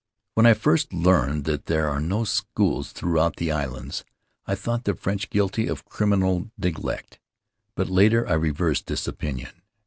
When I first learned that there are no schools throughout the islands I thought the French guilty of criminal neglect, but later I reversed this opinion.